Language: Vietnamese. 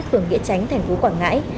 khường nghĩa tránh thành phố quảng ngãi